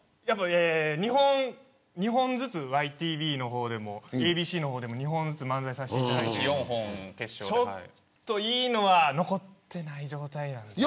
２本ずつｙｔｖの方でもＡＢＣの方でも２本ずつ漫才させていただいてちょっといいのは残ってない状態なんです。